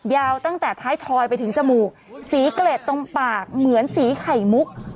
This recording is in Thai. ยาวตั้งแต่ท้ายทอยไปถึงจมูกสีเกร็ดตรงปากเหมือนสีไข่มุก